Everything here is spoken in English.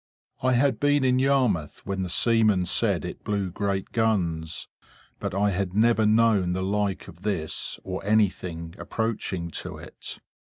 I had been in Yarmouth when the seamen said it blew great guns, but I had never known the like of this, or anything approaching to it.